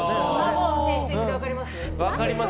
もうテイスティングで分かります？